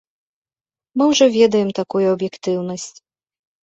Мы ўжо ведаем такую аб'ектыўнасць.